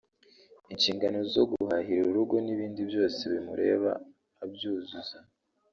ishingano zo guhahira urugo n’ibindi byose bimureba abyuzuza